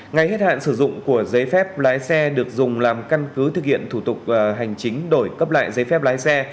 ngày hết hạn sử dụng của giấy phép lái xe được dùng làm căn cứ thực hiện thủ tục hành chính đổi cấp lại giấy phép lái xe